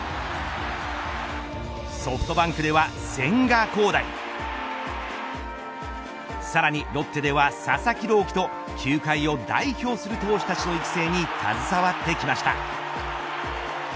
ソフトバンクでは千賀滉大さらにロッテでは佐々木朗希と球界を代表する投手たちの育成に携わってきました。